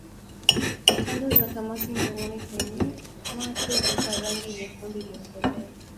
Tando za kamasi mdomoni na kwenye macho hugeuka rangi nyekundu iliyokolea